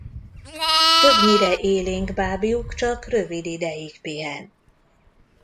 Többnyire élénk bábjuk csak rövid ideig pihen.